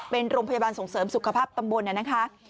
เป็นโรงพยาบาลส่งเสริมสุขภาพตำบลนะคะ